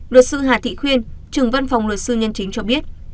luật sư hà thị khuyên trưởng văn phòng luật sư nhân chính cho biết